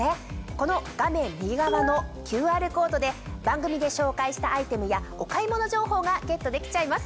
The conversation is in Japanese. この画面右側のＱＲコードで番組で紹介したアイテムやお買い物情報がゲットできちゃいます。